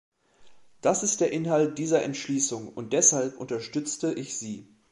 Das ist der Inhalt dieser Entschließung und deshalb unterstütze ich sie.